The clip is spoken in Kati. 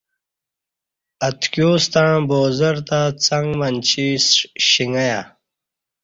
اتکیوستݩع بازار تہ څݣ منچی شݣیہ۔